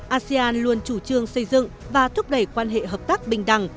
asean luôn chủ trương xây dựng và thúc đẩy quan hệ hợp tác bình đẳng